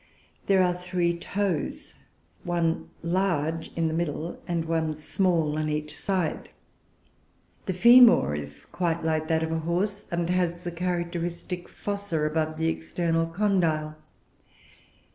There are three toes, one large in the middle and one small on each side. The femur is quite like that of a horse, and has the characteristic fossa above the external condyle.